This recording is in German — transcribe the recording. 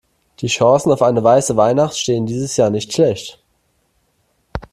Die Chancen auf eine weiße Weihnacht stehen dieses Jahr nicht schlecht.